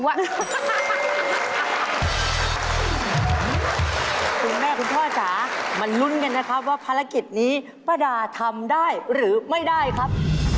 คุณแม่คุณพ่อจ๋ามาลุ้นกันนะครับว่าภารกิจนี้ป้าดาทำได้หรือไม่ได้ครับ